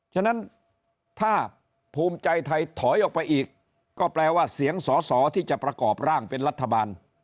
ฉะนั้นถ้าภูมิใจไทยถอยออกไปอีกก็แปลว่าเสียงสอสอที่จะประกอบร่างเป็นรัฐบาล